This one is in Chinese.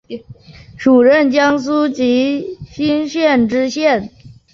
署任江苏荆溪县知县。